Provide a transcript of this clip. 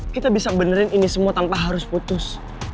kita bisa benerin ini semua tanpa harus putus